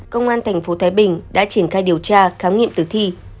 công an tp thái bình đã triển khai điều tra khám nghiệm tử thi